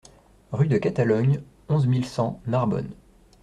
Rue de Catalogne, onze mille cent Narbonne